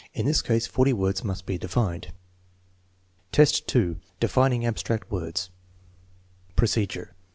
1 In this case forty words must be defined. 2. Defining abstract words Procedure.